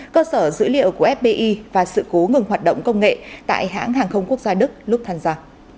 cơ sở dữ liệu của fbi và sự cố ngừng hoạt động công nghệ tại hãng hàng không quốc gia đức lúc tham gia